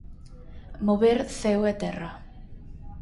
Mover ceo e terra.